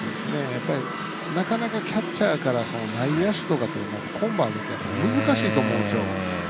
やっぱり、なかなかキャッチャーから内野手とかコンバート難しいと思うんですよ。